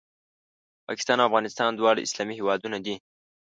پاکستان او افغانستان دواړه اسلامي هېوادونه دي